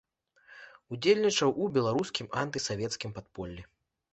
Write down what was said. Удзельнічаў у беларускім антысавецкім падполлі.